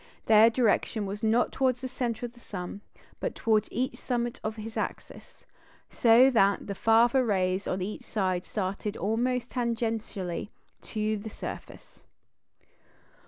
Their direction was not towards the centre of the sun, but towards each summit of his axis, so that the farther rays on either side started almost tangentially to the surface.